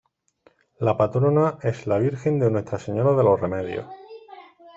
La patrona es la virgen Nuestra Señora de los Remedios.